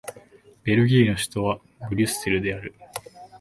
ベルギーの首都はブリュッセルである